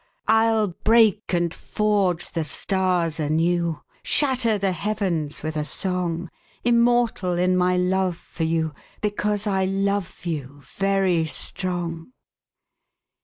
I'll break and forge the stars anew, Shatter the heavens with a song; Immortal in my love for you, Because I love you, very strong.